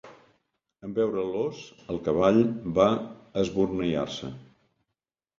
En veure l' os el cavall va esborneiar-se.